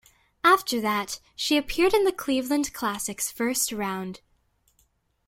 After that she appeared in the Cleveland Classic's first round.